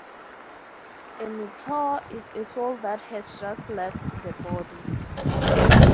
A meteor is a soul that has just left the body.